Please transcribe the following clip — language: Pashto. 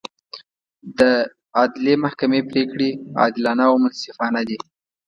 د عدلي محکمې پرېکړې عادلانه او منصفانه دي.